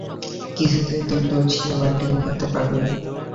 কিছুতেই তুই তোর সীমা ডিংগাতে পারবি না।